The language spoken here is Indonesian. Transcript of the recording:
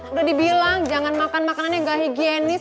udah dibilang jangan makan makanan yang gak higienis